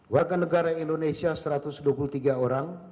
warganegara indonesia satu ratus dua puluh tiga orang